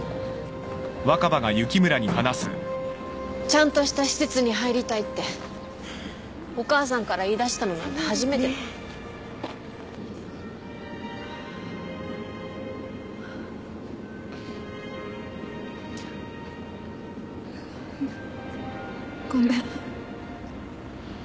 ちゃんとした施設に入りたいってお母さんから言いだしたのなんて初めて。ごめん。